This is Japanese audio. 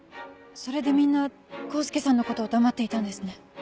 それでみんな黄介さんのことを黙っていたんですね。